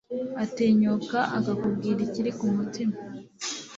atinyuka akakubwira ikiri kumutima .